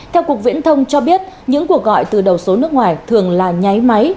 theo cục viễn thông cho biết những cuộc gọi từ đầu số nước ngoài thường là nháy máy